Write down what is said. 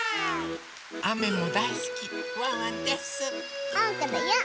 あめもだいすきワンワンです！